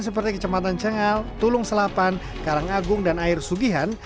seperti kecamatan cengal tulung selapan karangagung dan air sugian